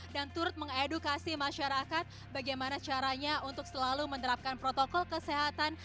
dan turut mengedukasi masyarakat bagaimana caranya untuk selalu menerapkan protokol kesehatan